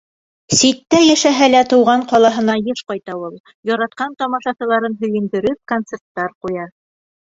Ситтә йәшәһә лә, тыуған ҡалаһына йыш ҡайта ул, яратҡан тамашасыларын һөйөндөрөп, концерттар ҡуя.